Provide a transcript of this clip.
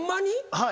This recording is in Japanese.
はい。